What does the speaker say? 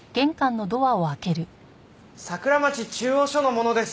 桜町中央署の者です。